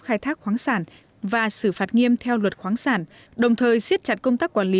khai thác khoáng sản và xử phạt nghiêm theo luật khoáng sản đồng thời siết chặt công tác quản lý